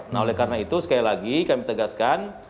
nah oleh karena itu sekali lagi kami tegaskan